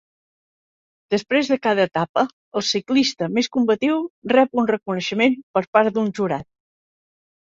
Després de cada etapa el ciclista més combatiu rep un reconeixement per part d'un jurat.